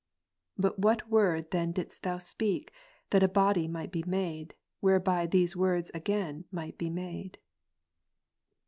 By what Word then didst Thou speak, that a body might be made, whereby these words again might be made